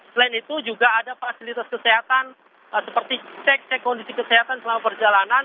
selain itu juga ada fasilitas kesehatan seperti cek cek kondisi kesehatan selama perjalanan